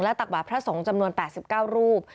ตักบาทพระสงฆ์จำนวน๘๙รูป